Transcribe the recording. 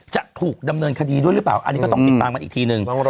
จะถูกดำเนินคดีด้วยหรือเปล่าอันนี้ก็ต้องติดตามกันอีกทีนึง